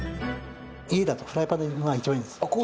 家だとフライパンが一番いいです。